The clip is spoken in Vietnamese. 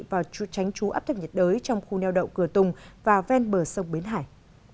vào trú tránh trú áp thấp nhiệt đới trong khu neo đậu cửa tùng và ven bờ sông bến hải